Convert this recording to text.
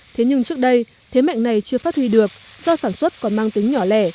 thế nhưng trước đây thế mạnh này chưa phát huy được do sản xuất còn mang tính nhỏ lẻ